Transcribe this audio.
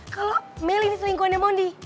kalau melly ini selingkuhannya mondi